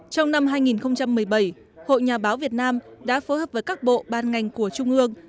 trong năm hai nghìn một mươi bảy hội nhà báo việt nam đã phối hợp với các bộ ban ngành của trung ương